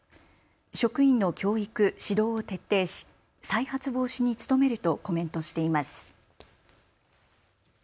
職員の教育、指導を徹底し再発防止に努めるとコメントしています。